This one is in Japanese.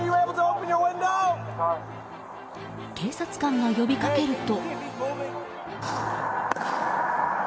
警察官が呼び掛けると。